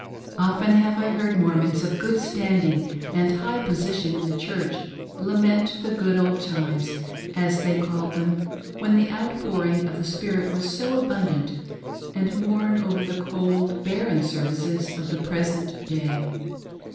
Often have I heard Mormons of good standing and high position in the church, lament the " good old times " as they called them, when the outpouring of the Spirit was so abund ant, and mourn over the cold, barren services of the present day.